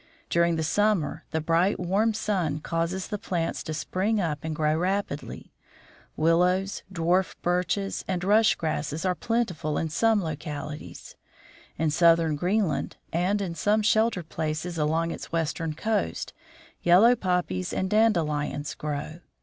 Dur ing the summer the bright, warm sun causes the plants to spring up and grow rapidly. Willows, dwarf birches, and rush grasses are plentiful in some localities. In southern Greenland, and in some sheltered places along its western coast, yellow poppies and dandelions grow.